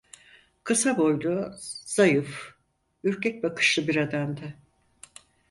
Kısa boylu, zayıf, ürkek bakışlı bir adamdı.